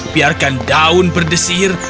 biarkan daun berdesir